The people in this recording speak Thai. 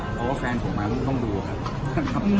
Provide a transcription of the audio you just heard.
เพราะว่าแฟนผมมาก็ต้องดูครับ